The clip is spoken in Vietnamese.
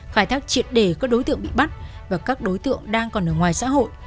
khai thác triệt đề các đối tượng bị bắt và các đối tượng đang còn ở ngoài xã hội